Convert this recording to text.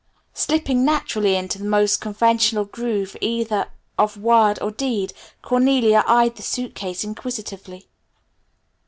Slipping naturally into the most conventional groove either of word or deed, Cornelia eyed the suitcase inquisitively.